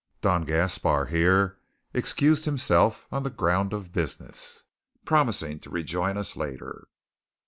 Don Gaspar here excused himself on the ground of business, promising to rejoin us later.